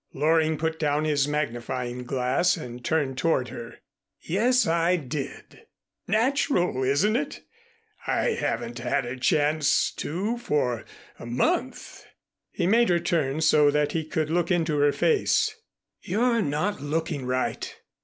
Loring put down his magnifying glass and turned toward her. "Yes, I did. Natural, isn't it? I haven't had a chance to for a month." He made her turn so that he could look into her face. "You're not looking right.